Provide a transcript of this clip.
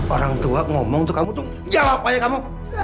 orang tua ngomong untuk kamu tuh jawab banyak kamu